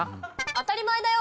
当たり前だよ